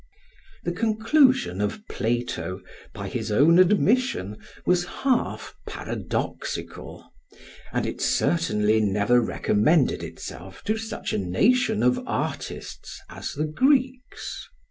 The conclusion of Plato, by his own admission, was half paradoxical, and it certainly never recommended itself to such a nation of artists as the Greeks.